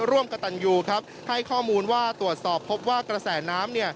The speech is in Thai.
ร่วมกับตันยูครับให้ข้อมูลว่าตรวจสอบพบว่ากระแสน้ำ